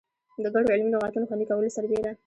د ګڼو علمي لغاتو خوندي کولو سربېره.